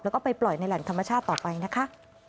แล้วก็ไปปล่อยในแหล่งธรรมชาติต่อไปนะคะ